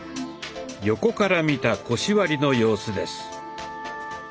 横から見た腰割りの様子です。